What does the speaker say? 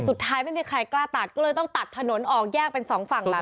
สุดท้ายไม่มีใครกล้าตัดก็เลยต้องตัดถนนออกแยกเป็นสองฝั่งแบบนี้